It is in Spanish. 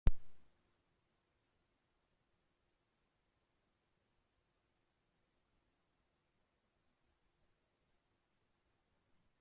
La revolución francesa es clave para la ciudad.